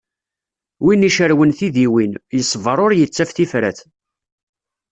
Win icerwen tidiwin, yeṣber ur yettaf tifrat.